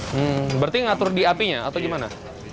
hmm berarti ngatur di apinya atau gimana